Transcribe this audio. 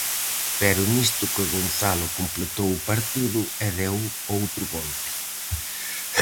Pero nisto que Gonzalo completou o partido e deu outro golpe.